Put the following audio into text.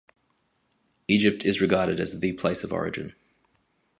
Egypt is regarded as the place of origin.